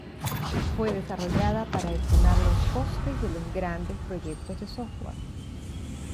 Fue desarrollada para estimar los costes de los grandes proyectos de software.